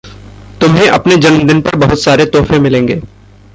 तुम्हें अपने जन्मदिन पर बहुत सारे तोहफ़े मिलेंगे।